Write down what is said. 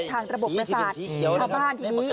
ทางระบบประสาทชาวบ้านทีนี้